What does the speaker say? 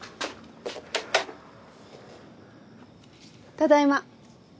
ただいま。